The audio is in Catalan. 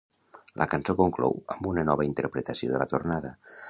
La cançó conclou amb una nova interpretació de la tornada.